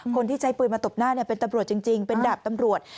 คนที่ใช้ปืนมาตบหน้าเป็นตำรวจจริงเป็นดาบตำรวจ